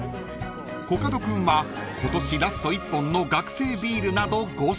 ［コカド君は今年ラスト１本の学生ビールなど５品］